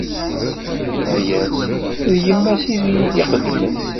Tenna-as: “D yemma-s i yi-d-iqeddmen.”